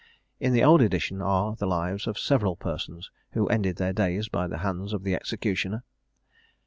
In the old edition are the lives of several persons who ended their days by the hands of the executioner.